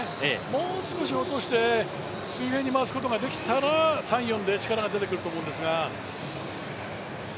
もう少し落として水平に回すことができたら３、４で力が出てくると思うんですが。